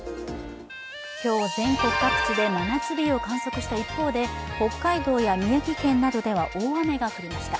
今日、全国各地で真夏日を観測した一方で、北海道や宮城県などでは大雨が降りました。